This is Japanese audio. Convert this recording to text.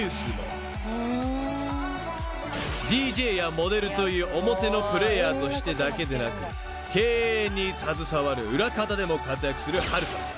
［ＤＪやモデルという表のプレーヤーとしてだけでなく経営に携わる裏方でも活躍するはるたむさん］